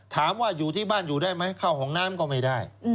ถามว่าอยู่ที่บ้านอยู่ได้ไหมเข้าห้องน้ำก็ไม่ได้